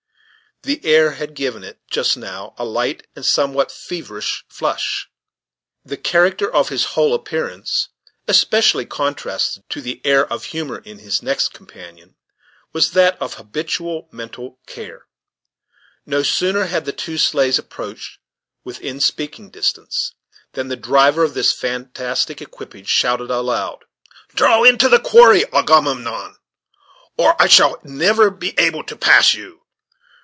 The air had given it, just now, a light and somewhat feverish flush, The character of his whole appearance, especially contrasted to the air of humor in his next companion, was that of habitual mental care. No sooner had the two sleighs approached within speaking distance, than the driver of this fantastic equipage shouted aloud, "Draw up in the quarry draw up, thou king of the Greeks; draw into the quarry, Agamemnon, or I shall never be able to pass you.